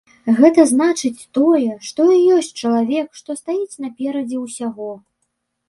Гэта значыць тое, што і ёсць чалавек, што стаіць наперадзе ўсяго.